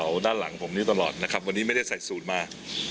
วันนี้ไม่ได้ใส่สูตรมา